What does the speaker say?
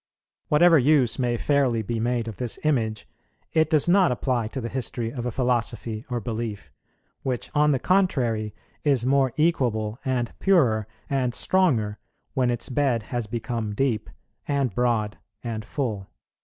Whatever use may fairly be made of this image, it does not apply to the history of a philosophy or belief, which on the contrary is more equable, and purer, and stronger, when its bed has become deep, and broad, and full.